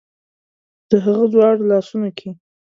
د هغه دواړو لاسونو کې